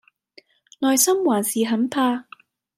內心還是很怕